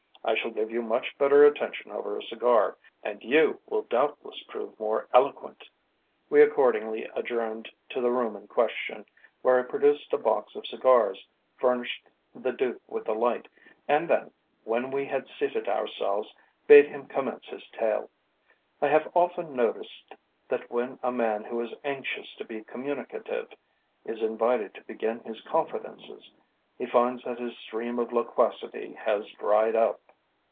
I shall give you much better attention over a cigar, and you will doubtless prove more eloquent." We accordingly adjourned to the room in question, where I produced a box of cigars, furnished the Duke with a light, and then, when we had seated ourselves, bade him commence his tale. I have often noticed that when a man who is anxious to be communicative is invited to begin his confidences, he finds that his stream of loquacity has dried up.